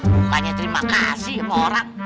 bukannya terima kasih sama orang